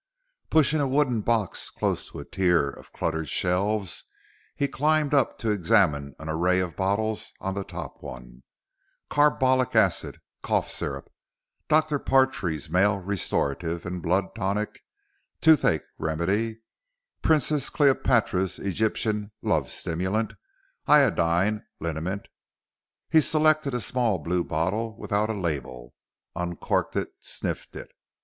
Pushing a wooden box close to a tier of cluttered shelves, he climbed up to examine an array of bottles on the top one; carbolic acid, cough syrup, Dr. Partrey's Male Restorative and Blood Tonic, toothache remedy, Princess Cleopatra's Egyptian Love Stimulant, iodine, linament.... He selected a small blue bottle without a label, uncorked it, sniffed it.